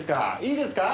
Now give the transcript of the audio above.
いいですか？